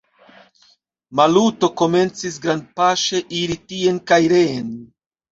Maluto komencis grandpaŝe iri tien kaj reen.